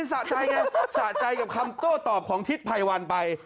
สะใจไงสะใจกับคำโต้ตอบของทิศภัยวันไป